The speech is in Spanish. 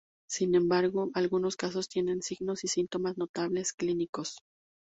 Sin embargo, algunos casos tienen signos y síntomas notables clínicos.